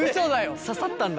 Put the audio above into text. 刺さったんだ。